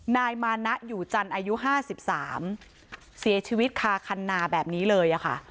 นายมานะอยู่จันทร์อายุ๕๓เสียชีวิตคาคันนาแบบนี้เลยค่ะ